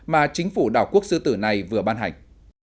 mà chính phủ đảo quốc sư tử này vừa ban hành